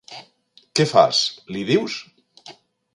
Què fas, l'hi dius?